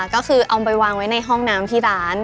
ก็คือเอาไปวางไว้ในห้องน้ำที่ร้าน